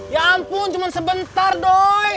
ya ampun cuman sebentar doi